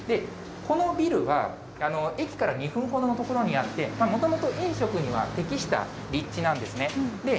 このビルは駅から２分ほどの所にあって、もともと飲食には適した立地なんですね。